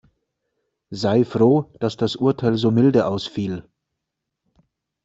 Sei froh, dass das Urteil so milde ausfiel.